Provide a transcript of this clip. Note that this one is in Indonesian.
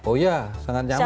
oh ya sangat nyambung